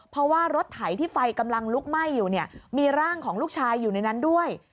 เพราะว่ารถไถที่ไฟกำลังลุกไหม้อยู่เนี่ยมีร่างของลูกชายอยู่ในนั้นด้วย